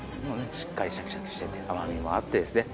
しっかりシャキシャキしてて甘みもあってですね